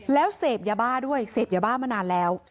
แล้วเสพยาบ้าด้วยเสพยาบ้ามานานแล้ว